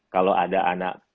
kalau ada anak